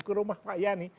ke rumah pak yani